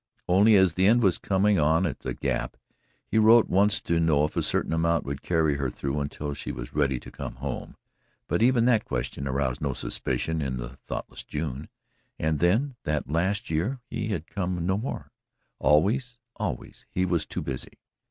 Only, as the end was coming on at the Gap, he wrote once to know if a certain amount would carry her through until she was ready to come home, but even that question aroused no suspicion in thoughtless June. And then that last year he had come no more always, always he was too busy.